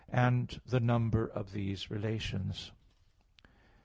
(4) The number of these relations.